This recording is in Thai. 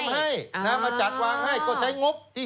บริษัทเบียงมาทำให้